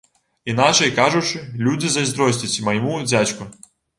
Іначай кажучы, людзі зайздросцяць майму дзядзьку.